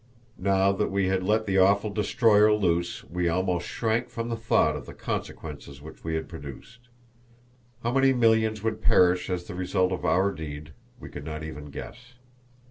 Now that we had let the awful destroyer loose we almost shrank from the thought of the consequences which we had produced. How many millions would perish as the result of our deed we could not even guess.